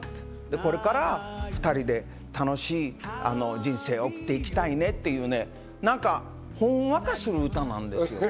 これから２人で楽しい人生を送って行きたいねっていう、ほんわかする歌なんです。